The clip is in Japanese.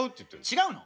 違うの？